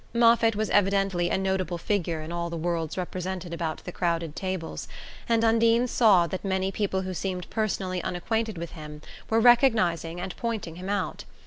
Moffatt was evidently a notable figure in all the worlds represented about the crowded tables, and Undine saw that many people who seemed personally unacquainted with him were recognizing and pointing him out.